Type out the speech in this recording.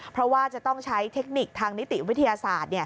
เพราะว่าจะต้องใช้เทคนิคทางนิติวิทยาศาสตร์